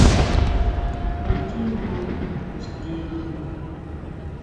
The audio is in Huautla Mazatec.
Jú tjín maa ixtiri.